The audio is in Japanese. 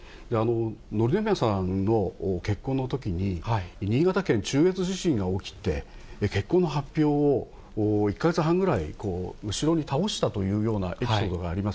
紀宮さまの結婚のときに、新潟県中越地震が起きて、結婚の発表を１か月半ぐらい後ろに倒したというようなエピソードがあります。